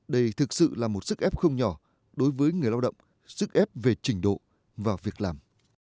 đây thực sự là một sức ép không nhỏ đối với người lao động sức ép về trình độ và việc làm